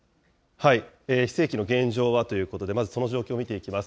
非正規の現状はということで、まずその状況を見ていきます。